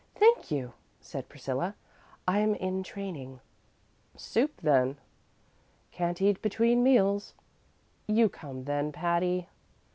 "Thank you," said Priscilla; "I'm in training." "Soup, then." "Can't eat between meals." "You come, then, Patty."